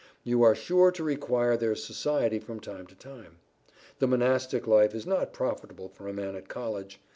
You are sure to require their society from time to time. The Monastic life is not profitable for a man at College.